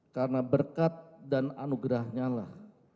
karena berkat dan anugerahnya lah